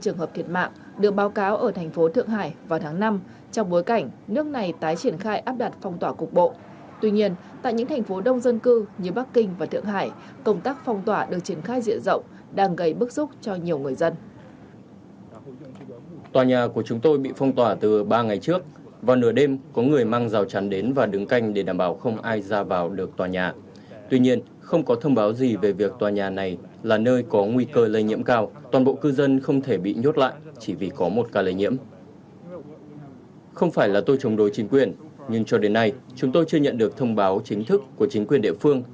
nhưng cho đến nay chúng tôi chưa nhận được thông báo chính thức của chính quyền địa phương